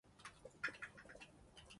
上址前身为著名的均益仓。